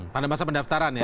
pada masa pendaftaran ya